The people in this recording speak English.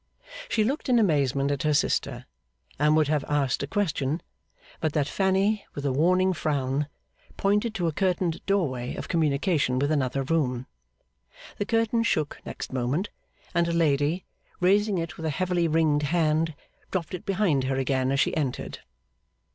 She looked in amazement at her sister and would have asked a question, but that Fanny with a warning frown pointed to a curtained doorway of communication with another room. The curtain shook next moment, and a lady, raising it with a heavily ringed hand, dropped it behind her again as she entered.